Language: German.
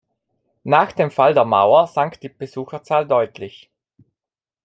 Nach dem Fall der Mauer sank die Besucherzahl deutlich.